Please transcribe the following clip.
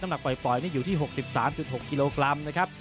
หนักปล่อยนี่อยู่ที่๖๓๖กิโลกรัมนะครับ